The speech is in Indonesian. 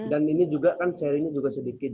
dan ini juga kan seri nya juga sedikit